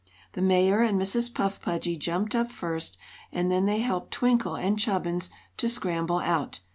The Mayor and Mrs. Puff Pudgy jumped up first, and then they helped Twinkle and Chubbins to scramble out.